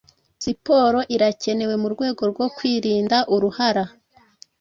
Siporo irakenewe mu rwego rwo kwirinda uruhara